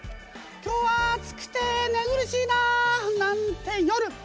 今日は暑くて寝苦しいななんて夜。